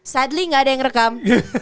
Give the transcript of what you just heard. sadly gak ada yang rekam